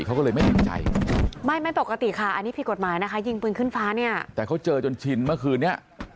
เขาก็เลยไม่เป็นใจ